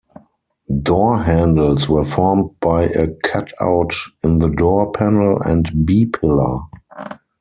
Door handles were formed by a cut-out in the door panel and B-pillar.